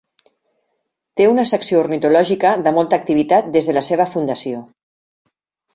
Té una secció ornitològica de molta activitat des de la seva fundació.